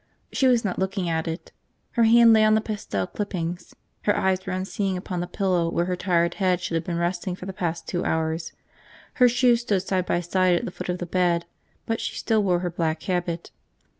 She was not looking at it. Her hand lay on the pasted clippings, her eyes were unseeing upon the pillow where her tired head should have been resting for the past two hours. Her shoes stood side by side at the foot of the bed, but she still wore her black habit.